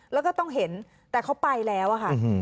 แล้วก็ต้องเห็นแต่เขาไปแล้วอะค่ะ